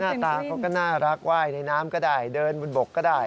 หน้าตาเขาก็น่ารักไหว้ในน้ำก็ได้เดินบนบกก็ได้